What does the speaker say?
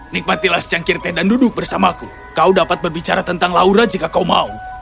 nikmatilah secangkir teh dan duduk bersamaku kau dapat berbicara tentang laura jika kau mau